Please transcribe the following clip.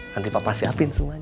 nanti papa siapin semuanya